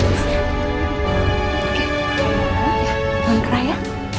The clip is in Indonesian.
jangan menangis ya